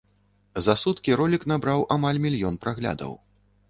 За суткі ролік набраў амаль мільён праглядаў.